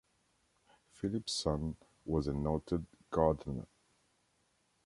Philipson was a noted gardener.